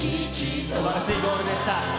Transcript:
すばらしいゴールでした。